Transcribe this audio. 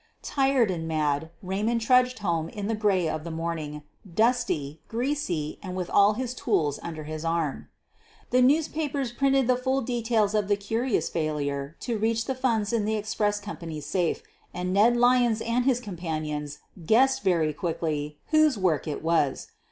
Tired and mad, Raymond trudged home in the gray of the morning, dusty, greasy, and with his tools under his arm. The newspapers printed the full details of the curious failure to reach the funds in the express company's safe, and Ned Lyons and his companions guessed very quickly whose work it was.